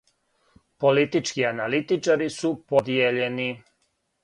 Политички аналитичари су подијељени.